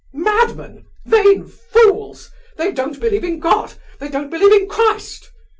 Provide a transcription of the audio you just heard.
Madmen! Vain fools! They don't believe in God, they don't believe in Christ!